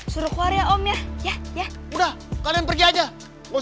suaranya kayak studying program mars